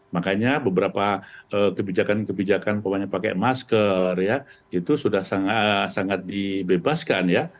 makanya beberapa kebijakan kebijakan pakai masker ya itu sudah sangat dibebaskan ya